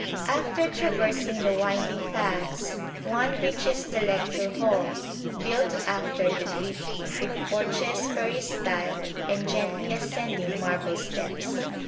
After traversing the winding paths, one reaches the lecture hall, built after the Greek, with porches, peristyle and gently ascending marble steps.